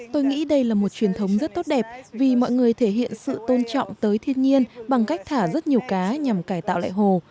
tôi nghĩ đây là một truyền thống rất tốt đẹp vì mọi người thể hiện sự tôn trọng tới thiên nhiên bằng cách thả rất nhiều cá nhằm cải tạo lại hồ